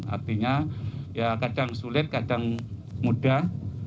artinya ya kadang sulit kadang mudah